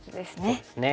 そうですね。